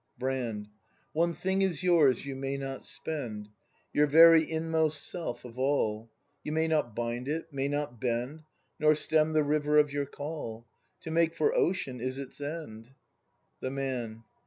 Brand. One thing is yours you may not spend. Your very inmost Self of all. You may not bind it, may not bend. Nor stem the river of your call. To make for ocean is its end. The Man.